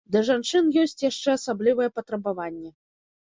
Да жанчын ёсць яшчэ асаблівыя патрабаванні.